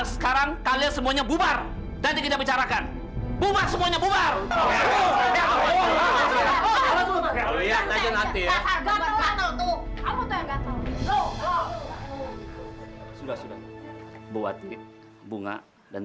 sampai jumpa di video selanjutnya